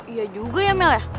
iya juga ya mel ya